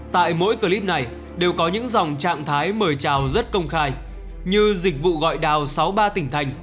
tại mỗi clip này đều có những dòng trạng thái mời trào rất công khai như dịch vụ gọi đào sáu ba tỉnh thành